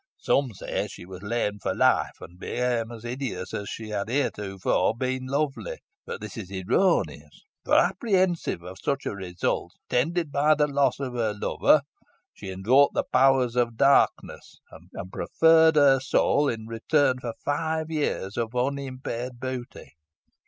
Some say she was lamed for life, and became as hideous as she had heretofore been lovely; but this is erroneous, for apprehensive of such a result, attended by the loss of her lover, she invoked the powers of darkness, and proffered her soul in return for five years of unimpaired beauty.